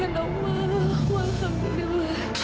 sebaiknya lagi walhamdulillah